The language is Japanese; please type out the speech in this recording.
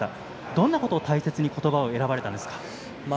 どんなことを大切に言葉を選ばれたんですか。